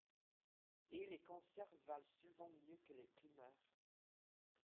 Hé ! les conserves valent souvent mieux que les primeurs !